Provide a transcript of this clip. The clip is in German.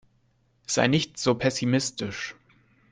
Sei nicht so pessimistisch.